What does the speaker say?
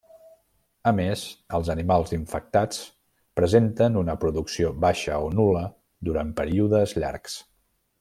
A més, els animals infectats presenten una producció baixa o nul·la durant períodes llargs.